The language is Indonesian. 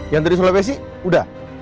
yang tadi sulap esi udah